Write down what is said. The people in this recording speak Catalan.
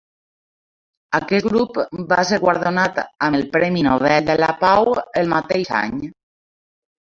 Aquest grup va ser guardonat amb el Premi Nobel de la Pau el mateix any.